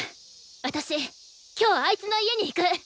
私今日あいつの家に行く。